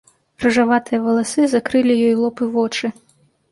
Рыжаватыя валасы закрылі ёй лоб і вочы.